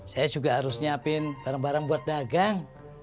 saya juga harus nyiapin barang barang buat dagang